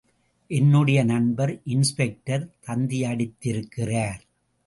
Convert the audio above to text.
என்னுடைய நண்பர் இன்ஸ்பெக்டர் தந்தியடித்திருக்கிறார்.